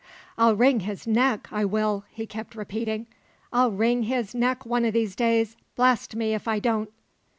"I'll wring his neck, I will!" he kept repeating. "I'll wring his neck one o' these days, blast me if I don't!"